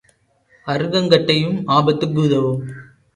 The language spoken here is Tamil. அறுகங் கட்டையும் ஆபத்துக்கு உதவும்.